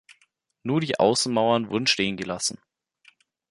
Nur die Außenmauern wurden stehen gelassen.